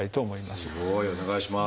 すごい！お願いします。